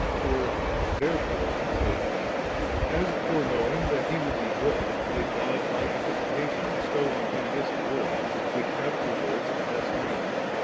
For 'therefore,' saith he, * as foreknowing that He would be good, did God by anticipation bestow on Him this glory, which afterwards, as man.